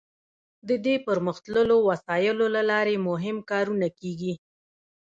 د دې پرمختللو وسایلو له لارې مهم کارونه کیږي.